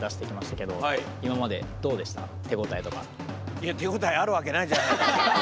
いや手応えあるわけないじゃないですか。